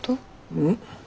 うん。